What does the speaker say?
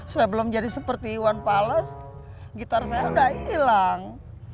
saya belum jadi seperti iwan pales gitar saya udah hilang